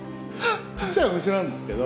小っちゃいお店なんですけど。